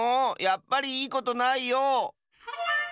やっぱりいいことないよ！